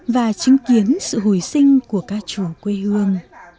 và chứng kiến sự hồi sinh của ca trù quê hương